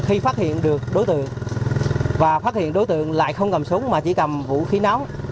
khi phát hiện được đối tượng và phát hiện đối tượng lại không cầm súng mà chỉ cầm vũ khí náo